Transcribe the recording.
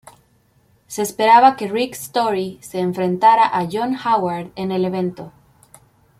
Se esperaba que Rick Story se enfrentara a John Howard en el evento.